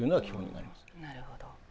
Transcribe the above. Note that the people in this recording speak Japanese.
なるほど。